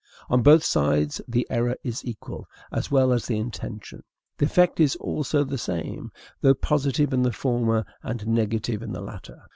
On both sides the error is equal, as well as the intention. The effect is also the same, though positive in the former, and negative in the latter.